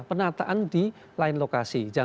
penataan di lain lokasi